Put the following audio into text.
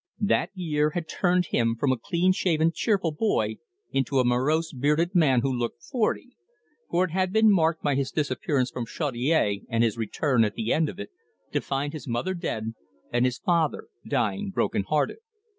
That year had turned him from a clean shaven cheerful boy into a morose bearded man who looked forty, for it had been marked by his disappearance from Chaudiere and his return at the end of it, to find his mother dead and his father dying broken hearted.